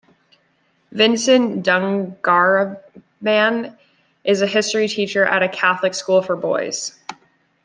Vincent Dungarvan is a history teacher at a Catholic school for boys.